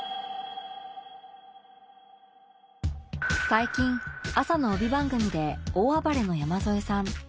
最近朝の帯番組で大暴れの山添さん